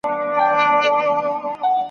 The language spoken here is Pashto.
زما یې خټه ده اخیستې د خیام د خُم له خاورو !.